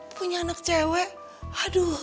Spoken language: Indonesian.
punya anak cewek aduh